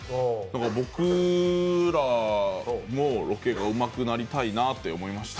僕らもロケがうまくなりたいなあって思いました。